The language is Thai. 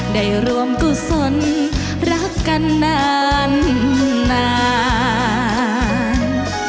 ได้ร่วมกุศลรับกันนานนาน